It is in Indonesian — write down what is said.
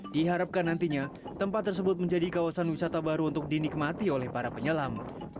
diharapkan nantinya tempat tersebut menjadi kawasan wisata baru untuk dinikmati oleh para penyelam